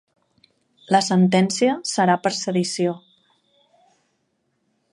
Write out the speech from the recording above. La sentència serà per sedició